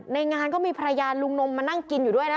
ในงานก็มีภรรยาลุงนมมานั่งกินอยู่ด้วยนะ